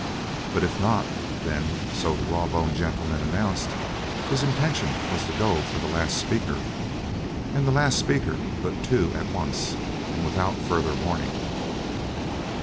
But if not, then—so the raw boned gentleman announced—his intention was to go for the last speaker and the last speaker but two at once and without further warning.